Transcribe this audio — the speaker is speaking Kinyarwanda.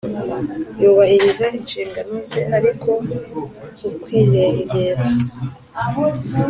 Yubahiriza inshingano ze ariko ukwirengera